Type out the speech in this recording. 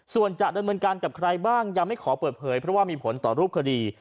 ส่วนจะดำเนินการกับใครบ้างยังไม่ขอเปิดเผยเพราะว่ามีผลต่อรูปคดี